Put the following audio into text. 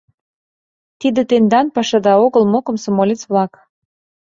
Тиде тендан пашада огыл мо, комсомолец-влак?